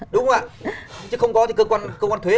đúng không ạ chứ không có thì cơ quan thuế